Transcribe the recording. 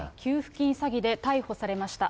給付金詐欺で逮捕されました。